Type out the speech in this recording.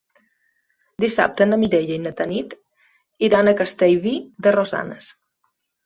Dissabte na Mireia i na Tanit iran a Castellví de Rosanes.